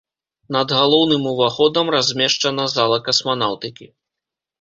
Над галоўным уваходам размешчана зала касманаўтыкі.